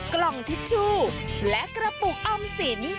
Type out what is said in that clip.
กล่องทิชชู่และกระปุกออมสิน